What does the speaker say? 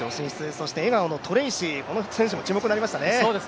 そして笑顔のトレイシー、この選手も注目になりましたね。